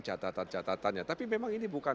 catatan catatannya tapi memang ini bukan